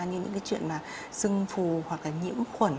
như những chuyện là sưng phù hoặc là nhiễm khuẩn